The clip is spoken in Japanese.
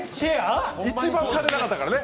一番金なかったからね。